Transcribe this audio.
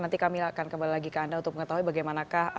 nanti kami akan kembali lagi ke anda untuk mengetahui bagaimanakah